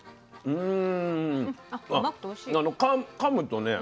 うん。